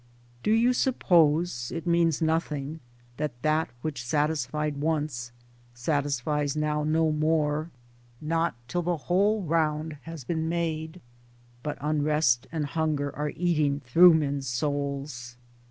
] Do you suppose it means nothing that that which satisfied once satisfies now no more (not till the whole round has Towards Democracy 49 been made), but unrest and hunger are eating through men's souls